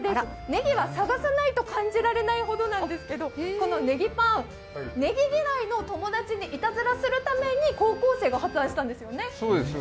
ネギは探さないと感じないほどなんですけれども、このネギパン、ねぎ嫌いの友達にいたずらするために高校生が発案したんですよね。